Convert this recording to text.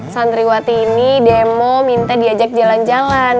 santriwati ini demo minta diajak jalan jalan